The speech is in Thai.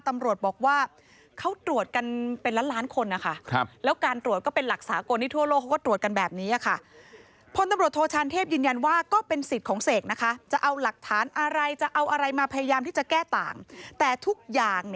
ตำรวจบอกว่าเขาตรวจกันมา